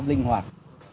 pháp linh hoạt